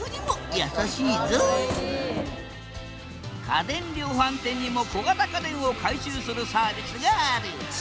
家電量販店にも小型家電を回収するサービスがある。